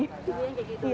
iya seperti itu